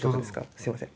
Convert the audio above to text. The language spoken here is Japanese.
すみません。